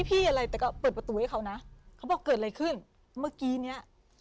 อะไรแต่ก็เปิดประตูให้เขานะเขาบอกเกิดอะไรขึ้นเมื่อกี้เนี้ย